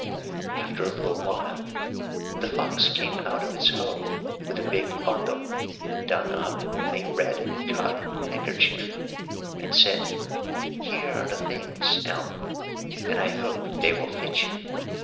"After a little while the fox came out of its hole with a big bundle done up in a red cotton handkerchief and said, 'Here are the things, Alma, and I hope they will fit you.